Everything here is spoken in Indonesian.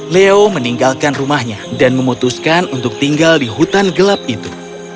leo meninggalkan rumahnya dan memutuskan untuk tinggal di hutan gelap itu